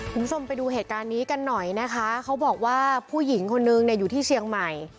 คุณผู้ชมไปดูเหตุการณ์นี้กันหน่อยนะคะเขาบอกว่าผู้หญิงคนนึงเนี่ยอยู่ที่เชียงใหม่